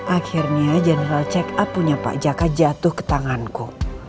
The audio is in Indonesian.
akhirnya general check up punya pak jaka jatuh ke tanganku